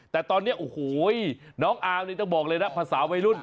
แต่ตอนนี้โอ้โหน้องอาร์มนี่ต้องบอกเลยนะภาษาวัยรุ่น